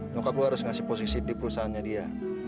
nongka gue harus ngasih posisi di perusahaannya dia